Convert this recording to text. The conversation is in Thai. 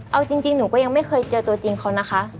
เอาจริงหนูก็ยังไม่เคยเจอตัวจริงเขานะคะ